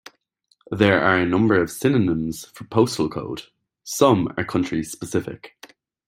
There are a number of synonyms for "postal code"; some are country-specific.